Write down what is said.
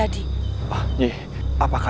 di sini ada